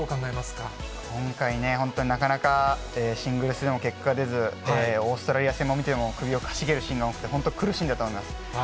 今回ね、本当になかなかシングルスでも結果が出ず、オーストラリア戦を見ても、首をかしげるシーンが多くて、本当、苦しんだと思います。